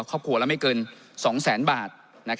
ครอบครัวแล้วไม่เกิน๒๐๐๐๐๐บาท